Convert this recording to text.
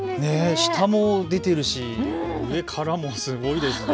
下も出てるし上からもすごいですね。